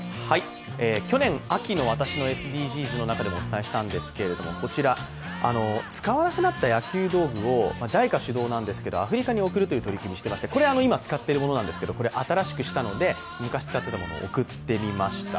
去年秋の私のＳＤＧｓの中でもお伝えしたんですがこちら、使わなくなった野球道具をＪＩＣＡ主導なんですけどアフリカに送るという取り組みをしていまして、これは今、使っているもので新しくしたので送ってみました。